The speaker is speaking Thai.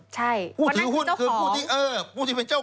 ใช่คุณต้องทำงานให้ผู้ถือหุ้น